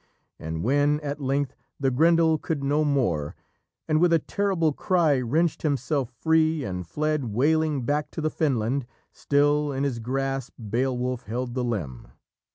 And when at length the Grendel could no more, and with a terrible cry wrenched himself free, and fled, wailing, back to the fenland, still in his grasp Beowulf held the limb.